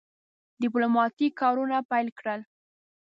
ډیپلوماټیک کارونه پیل کړل.